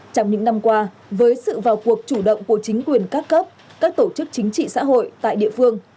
trong những năm qua với sự vào cuộc chủ động của chính quyền các cấp các tổ chức chính trị xã hội tại địa phương